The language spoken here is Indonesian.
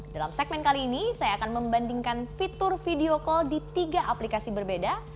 dalam segmen kali ini saya akan membandingkan fitur video call di tiga aplikasi berbeda